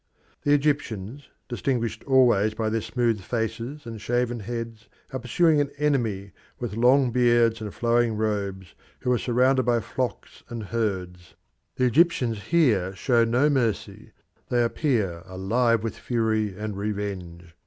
The Egyptians, distinguished always by their smooth faces and shaven heads, are pursuing an enemy with long beards and flowing robes, who are surrounded by flocks and herds. The Egyptians here show no mercy; they appear alive with fury and revenge.